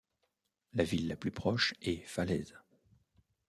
La ville la plus proche est Falaise.